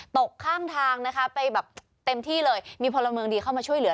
ตกข้างทางนะคะไปแบบเต็มที่เลยมีพลเมืองดีเข้ามาช่วยเหลือ